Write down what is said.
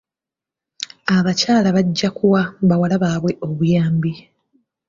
Abakyala bajja kuwa bawala baabwe obuyambi.